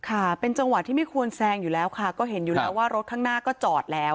ค่ะเป็นจังหวะที่ไม่ควรแซงอยู่แล้วค่ะก็เห็นอยู่แล้วว่ารถข้างหน้าก็จอดแล้ว